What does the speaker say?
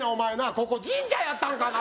ここ神社やったんかな